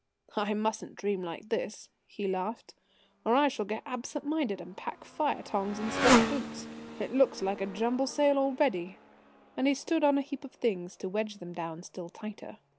"I mustn't dream like this," he laughed, "or I shall get absent minded and pack fire tongs instead of boots. It looks like a jumble sale already!" And he stood on a heap of things to wedge them down still tighter.